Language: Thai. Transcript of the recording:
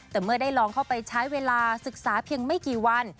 แต่เมื่อได้ลองเข้าไปใช้เวลาศึกษาเพียงไม่กี่วัน